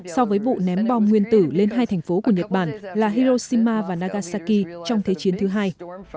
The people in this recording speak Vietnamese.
so với vụ ném bom nguyên tử lên hai thành phố của nhật bản là hiroshima và nagasaki trong thế chiến thứ hai